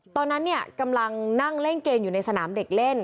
ตอนนั้นเนี่ยกำลังนั่งเล่นเกมอยู่ในสนามเด็กเล่น